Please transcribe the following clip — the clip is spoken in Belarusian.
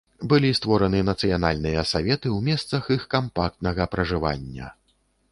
Былі створаны нацыянальныя саветы ў месцах іх кампактнага пражывання.